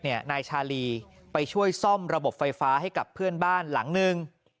นายชาลีไปช่วยซ่อมระบบไฟฟ้าให้กับเพื่อนบ้านหลังนึง